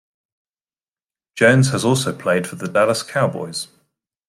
Jones has also played for the Dallas Cowboys.